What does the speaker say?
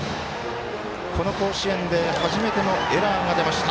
この甲子園で初めてのエラーが出ました。